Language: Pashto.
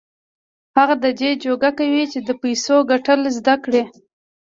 هغه د دې جوګه کوي چې د پيسو ګټل زده کړي.